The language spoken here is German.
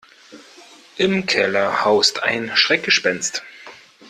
Im Keller haust ein Schreckgespenst.